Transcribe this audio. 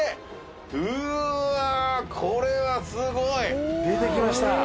これはすごい！出てきました。